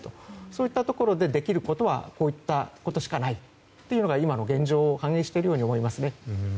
そういったところでできることはこういったことしかないというのが、今の現状を反映しているように思えますね。